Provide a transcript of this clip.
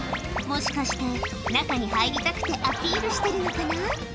もしかして中に入りたくてアピールしてるのかな？